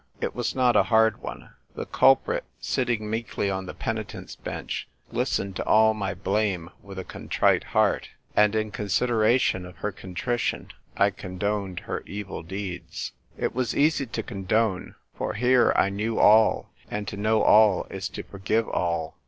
It was not a hard one. The culprit, sitting meekly on the penitent's bench, listened to all my blame with a contrite heart ; and in consideration of her contrition I con doned her evil deeds. It was easy to con done, for here I knew all, and to know all is to forgive all.